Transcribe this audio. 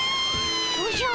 おじゃ。